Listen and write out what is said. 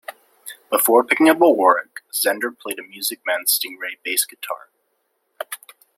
Before picking up a Warwick, Zender played a Music Man Stingray bass guitar.